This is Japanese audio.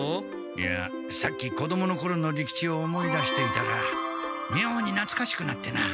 いやさっき子どものころの利吉を思い出していたらみょうになつかしくなってな。